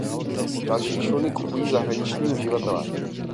Další čluny kupují zahraniční uživatelé.